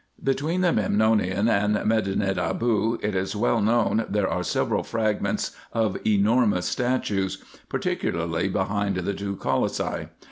Between the Memnonium and Medinet Aboo, it is well known there are several fragments of enormous statues ; particularly behind the two colossi.